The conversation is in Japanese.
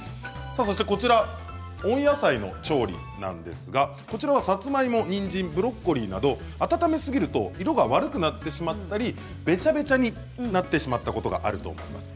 さあそしてこちら温野菜の調理なんですがこちらはさつまいもにんじんブロッコリーなど温めすぎると色が悪くなってしまったりべちゃべちゃになってしまったことがあると思います。